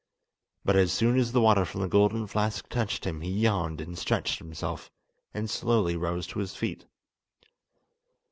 But as soon as the water from the golden flask touched him he yawned and stretched himself, and slowly rose to his feet.